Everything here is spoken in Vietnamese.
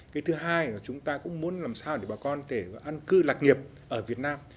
cái thứ hai là chúng ta cũng muốn làm sao để bà con có thể an cư lạc nghiệp ở việt nam